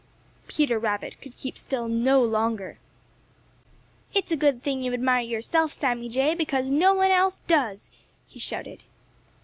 Peter Rabbit could keep still no longer. "It's a good thing you admire yourself, Sammy Jay, because no one else does!" he shouted.